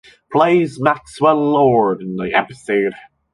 Plays Maxwell Lord in the episode.